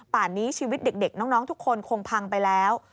ป่านนี้ชีวิตเด็กน้องทุกคนคงพังไปแล้ว